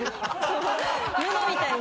布みたいに。